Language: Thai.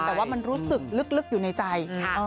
แต่ว่ามันรู้สึกลึกอยู่ในใจ